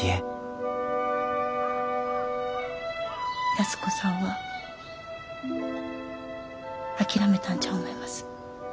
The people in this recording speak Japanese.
安子さんは諦めたんじゃ思います。